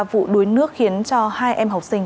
vụ đuối nước khiến cho hai em học sinh